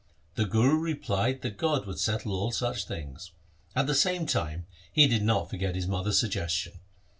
The Guru replied that God would settle all such things. At the same time he did not forget his mother's suggestion.